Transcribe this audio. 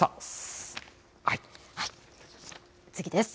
次です。